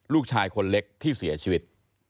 ลูกชายคนเล็กที่เสียชีวิต